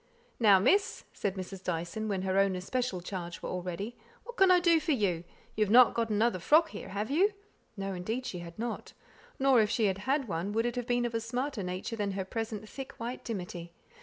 "Now, miss," said Mrs. Dyson, when her own especial charge were all ready, "what can I do for you? You have not got another frock here, have you?" No, indeed, she had not; nor if she had had one, could it have been of a smarter nature than her present thick white dimity.